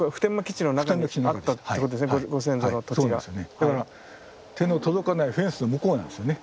だから手の届かないフェンスの向こうなんですよね。